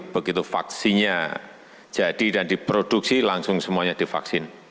begitu vaksinnya jadi dan diproduksi langsung semuanya divaksin